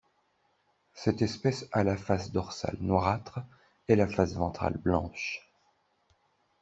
Cette espèce a la face dorsale noirâtre et la face ventrale blanche.